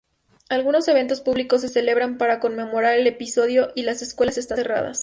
Algunos eventos públicos se celebran para conmemorar el episodio, y las escuelas están cerradas.